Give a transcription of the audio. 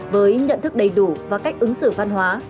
với nhận thức đầy đủ và cách ứng xử văn hóa